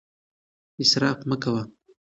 اسراف مه کوئ.